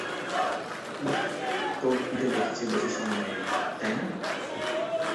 বাহ, টোপ নিতে দেখছি বেশি সময় নেয়নি, তাই না?